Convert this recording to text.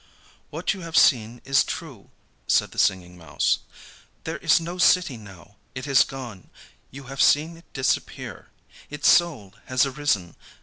"What you have seen is true," said the Singing Mouse. "There is no city now. It has gone. You have seen it disappear. Its soul has arisen.